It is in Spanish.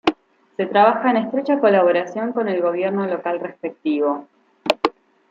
Se trabaja en estrecha colaboración con el gobierno local respectivo.